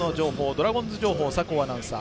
ドラゴンズ情報酒匂アナウンサー